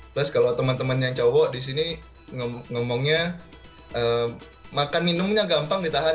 plus kalau teman teman yang cowok di sini ngomongnya makan minumnya gampang ditahan